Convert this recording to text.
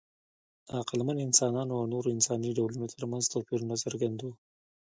د عقلمن انسانانو او نورو انساني ډولونو ترمنځ توپیرونه څرګند وو.